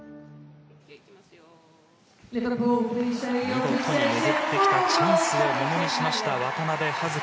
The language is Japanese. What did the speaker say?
見事に巡ってきたチャンスをものにした渡部葉月。